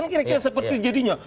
kira kira seperti jadinya